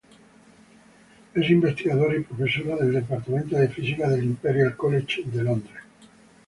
Es investigadora y profesora del departamento de física del Imperial College London.